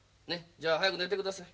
じゃあ早く寝て下さい。